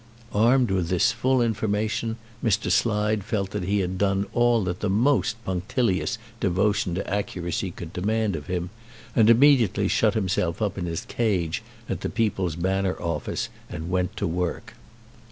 Armed with this full information, Mr. Slide felt that he had done all that the most punctilious devotion to accuracy could demand of him, and immediately shut himself up in his cage at the "People's Banner" office and went to work.